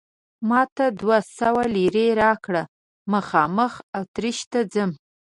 ما ته دوه سوه لیرې راکړه، مخامخ اتریش ته ځم.